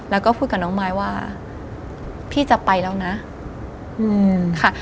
แล้วก็พูดกับน้องมายว่าพี่จะไปแล้วนะค่ะ